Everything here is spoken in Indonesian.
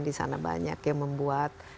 di sana banyak yang membuat